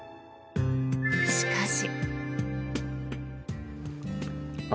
しかし。